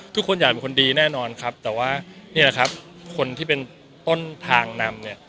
ทุกคนอยากเป็นคนดีแน่นอนครับแต่ว่านี่แหละครับคนที่เป็นต้นทางนำเนี่ย